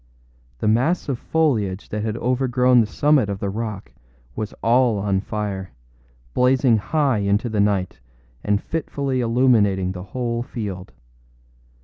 The mass of foliage that had overgrown the summit of the rock was all on fire, blazing high into the night and fitfully illuminating the whole field.